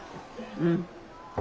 うん。